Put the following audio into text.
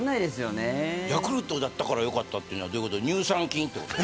ヤクルトだったから良かったっていうのはどういうこと、乳酸菌ってこと。